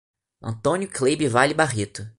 Antônio Cleibe Vale Barreto